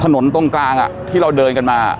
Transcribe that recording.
ตรงกลางที่เราเดินกันมา